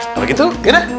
kalau gitu yaudah